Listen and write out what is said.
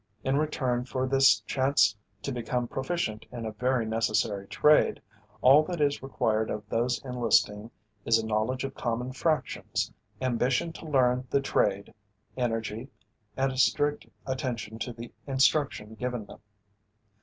In return for this chance to become proficient in a very necessary trade, all that is required of those enlisting is a knowledge of common fractions, ambition to learn the trade, energy and a strict attention to the instruction given them.